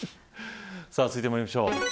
続いてまいりましょう。